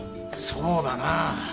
そうだなあ。